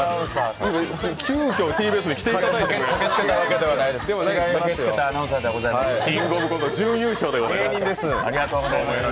急きょＴＢＳに来ていただいた？